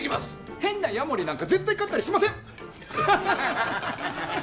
変なヤモリなんか絶対飼ったりしません！